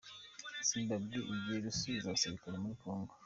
Zimbabwe igiye gusubiza abasirikare muri kongo